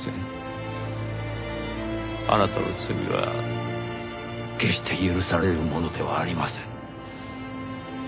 あなたの罪は決して許されるものではありません。